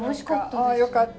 あよかった。